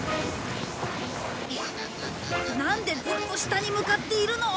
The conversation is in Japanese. なんでずっと下に向かっているの！？